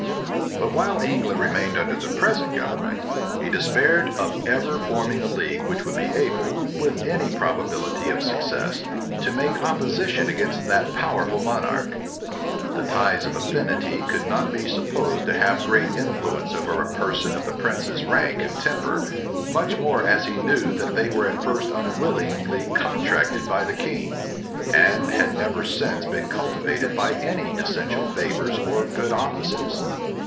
But while England remained under the present government, he despaired of ever forming a league which would be able, with any probability of success, to make opposition against that powerful monarch. The ties of affinity could not be supposed to have great influence over a person of the prince's rank and temper much more as he knew that they were at first unwillingly contracted by the king, and had never since been cultivated by any essential favors or good offices.